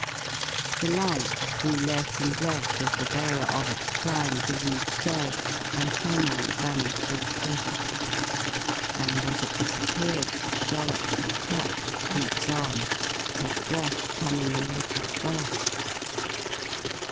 The light grew less and less as the bearer of it climbed the rude stairs, and finally vanished altogether. And as it disappeared Dollops clutched Cleek's arm, his breath coming in little gasps.